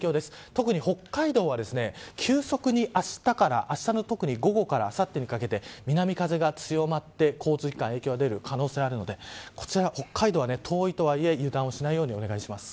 特に北海道は、急速にあしたからあしたの特に午後からあさってにかけて南風が強まって交通機関に影響が出る可能性があるのでこちら北海道は遠いとはいえ油断しないようにお願いします。